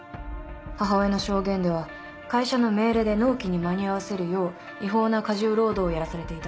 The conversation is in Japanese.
母親の証言では会社の命令で納期に間に合わせるよう違法な過重労働をやらされていた。